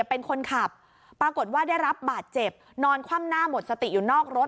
เป็นคนขับปรากฏว่าได้รับบาดเจ็บนอนคว่ำหน้าหมดสติอยู่นอกรถ